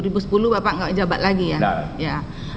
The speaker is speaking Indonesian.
dua ribu sepuluh bapak tidak menjabat lagi ya